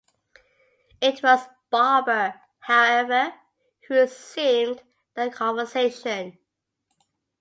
It was Barber, however, who resumed the conversation.